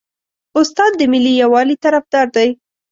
استاد د ملي یووالي طرفدار دی.